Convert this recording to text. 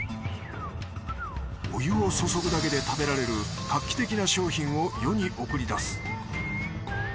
お湯を注ぐだけで食べられる画期的な商品を世に送り出す。